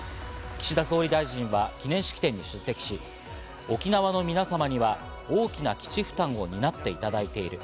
岸田総理大臣は記念式典に出席し、沖縄の皆様には大きな基地負担を担っていただいている。